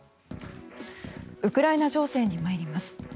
ウクライナ情勢に参ります。